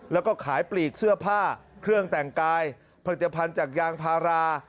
แล้วก็ขายปลีกเสื้อผ้าเครื่องแต่งกายผลิตภัณฑ์จากยางพารา